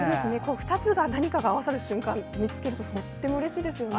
２つが、何かが合わさる瞬間を見つけるととてもうれしいですよね。